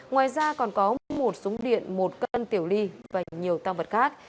ngoài ra còn có một súng điện một cân tiểu ly và nhiều tăng vật khác